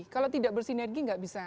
kalau tidak bersinergi nggak bisa